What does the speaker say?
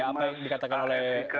apa yang dikatakan oleh